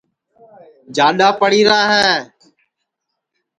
جاڈؔا پڑی را ہے